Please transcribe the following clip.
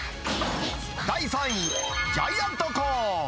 第３位、ジャイアントコーン。